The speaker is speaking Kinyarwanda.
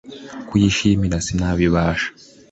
Kuyishimira sinabibasha